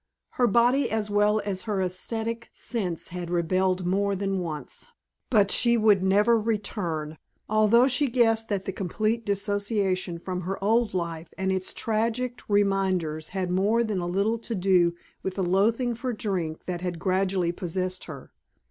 Her body as well as her aesthetic sense had rebelled more than once. But she would never return; although she guessed that the complete dissociation from her old life and its tragic reminders had more than a little to do with the loathing for drink that had gradually possessed her.